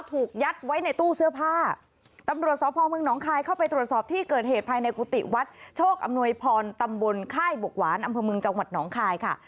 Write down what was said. ถูกยัดไว้ในตู้เสื้อผ้าตำรวจสพเมืองหนองคายเข้าไปตรวจสอบที่เกิดเหตุภายในกุฏิวัดโชคอำนวยพรตำบลค่ายบกหวานอำเภอเมืองจังหวัดหนองคายค่ะ